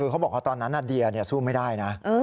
เขาบอกว่าตอนนั้นเดียสู้ไม่ได้นะ